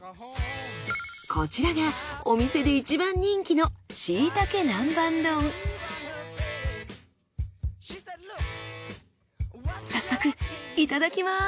こちらがお店で一番人気の早速いただきます。